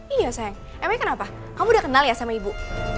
iya sayang emang kenapa kamu udah kenal ya sama ibu